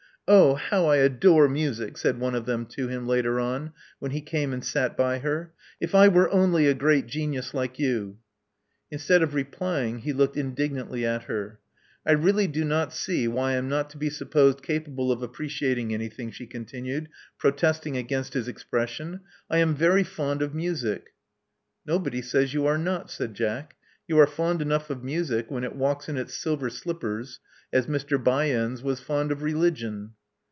Oh, how I adore music!" saidptone of them to him later on, when he came and sat by her. '*If I were only a great genius like you!" Instead of replying he looked indignantly at her. I r^ly do not see why I am not to be supposed capable of appreciating any thing," she continued, protesting against his expres sion. '*I am very fond of music. "Nobody says you are not," said Jack. You are fond enough of music when it walks in its silver slippers — as Mr. By ends was fond of religion."